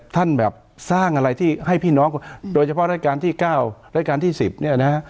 ท่านแบบสร้างอะไรที่ให้พี่น้องโดยเฉพาะรายการที่๙รายการที่๑๐เนี่ยนะฮะ